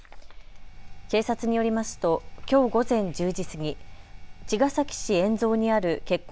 警察によりますと、きょう午前１０時過ぎ、茅ヶ崎市円蔵にある結婚